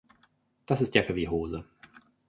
Das ist Jacke wie Hose.